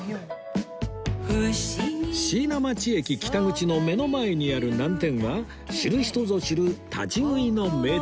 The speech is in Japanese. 椎名町駅北口の目の前にある南天は知る人ぞ知る立ち食いの名店